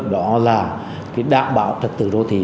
đó là đảm bảo trật tự đô thị